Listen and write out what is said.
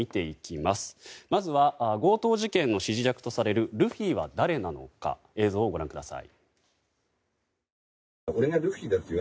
まずは、強盗事件の指示役とされるルフィは誰なのか映像をご覧ください。